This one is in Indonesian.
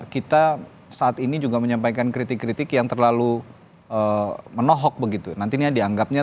kita saat ini juga menyampaikan kritik kritik yang terlalu menohok begitu nantinya dianggapnya